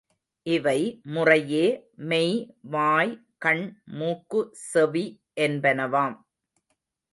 இவை முறையே மெய், வாய், கண், மூக்கு, செவி என்பனவாம்.